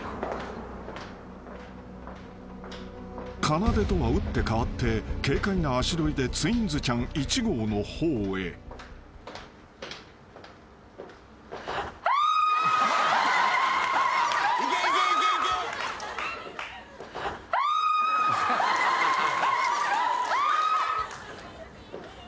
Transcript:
［かなでとは打って変わって軽快な足取りでツインズちゃん１号の方へ］はあー！？